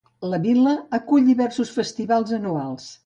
La vila acull diversos festivals anuals.